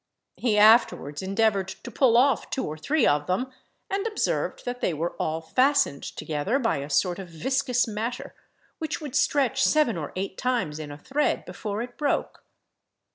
He afterwards endeavoured to pull off two or three of them, and observed that they were all fastened together by a sort of viscous matter, which would stretch seven or eight times in a thread before it broke.